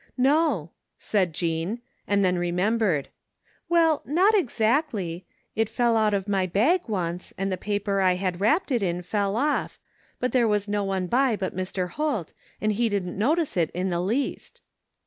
" No," said Jean, and then remembered. " Well, not exactly. It fell out of my bag once and the paper I had wrapped it in fell off, but there was no one by but Mr. Holt and he didn't notice it in the least."